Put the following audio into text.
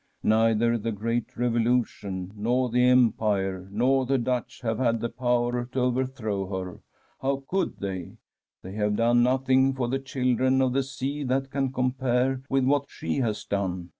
Neither the great Revolution, nor the Empire, nor the Dutch have had the power to overthrow her. How could they? They have done nothing for the children of the sea that can compare with what she has done.